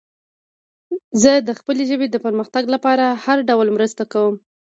زه د خپلې ژبې د پرمختګ لپاره هر ډول مرسته کوم.